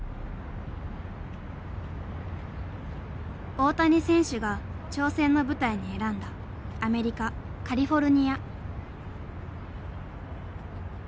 大谷選手が挑戦の舞台に選んだアメリカ・カリフォルニア。